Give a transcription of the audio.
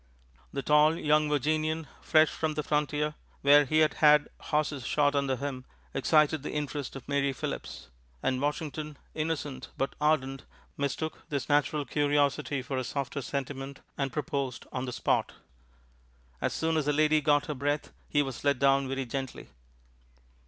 The tall, young Virginian, fresh from the frontier, where he had had horses shot under him, excited the interest of Mary Philipse, and Washington, innocent but ardent, mistook this natural curiosity for a softer sentiment and proposed on the spot. As soon as the lady got her breath he was let down very gently.